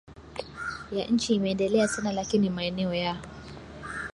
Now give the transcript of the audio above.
ya nchi imeendelea sana lakini maeneo ya